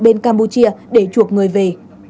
bên campuchia để chuộc người về